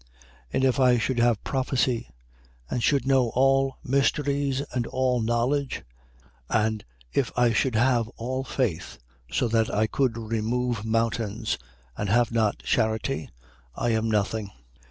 13:2. And if I should have prophecy and should know all mysteries and all knowledge, and if I should have all faith, so that I could remove mountains, and have not charity, I am nothing.